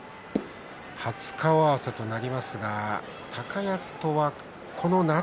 初顔合わせとなりますが高安とはこの夏